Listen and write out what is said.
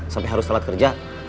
sampai harus telat kerja